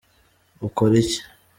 ukora icyi?